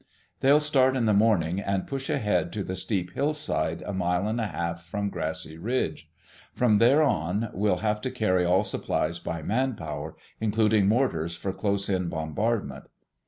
"They'll start in the morning, and push ahead to the steep hillside a mile and a half from Grassy Ridge. From there on we'll have to carry all supplies by manpower, including mortars for close in bombardment."